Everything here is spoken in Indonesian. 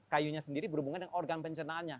kayunya sendiri berhubungan dengan organ pencernaannya